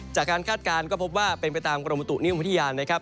จากการคาดการณ์ก็พบว่าเป็นไปตามกรมตุนิวพฤทธิยานนะครับ